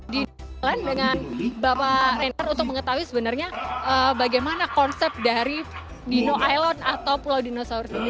dino island dengan bapak renner untuk mengetahui sebenarnya bagaimana konsep dari dino island atau pulau dinosaurus ini